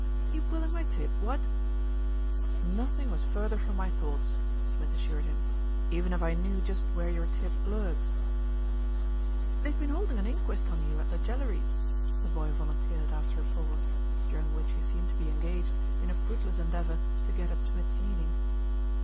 "You pulling my tib, what!" "Nothing was further from my thoughts," Smith assured him, "even if I knew just where your tib lurks." "They've been holding an inquest on you at the Jelleries," the boy volunteered after a pause, during which he seemed to be engaged in a fruitless endeavour to get at Smith's meaning.